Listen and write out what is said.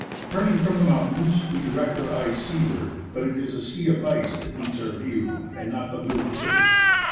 Turning from the mountains, Ave direct our eyes seaward ; but it is a sea of ice that meets our vicAV and not the blue Pacific.